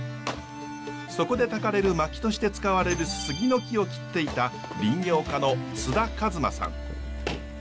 そこでたかれるまきとして使われる杉の木を切っていた林業家の津田一馬さん。